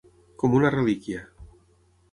Com una relíquia.